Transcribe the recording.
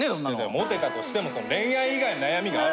モテたとしても恋愛以外の悩みがある。